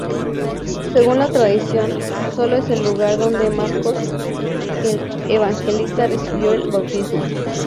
Según la tradición, Solos es el lugar donde Marcos el Evangelista recibió el bautismo.